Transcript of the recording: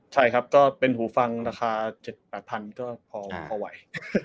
ใช่ครับก็เป็นหูฟังราคา๗๘๐๐ก็พอไหว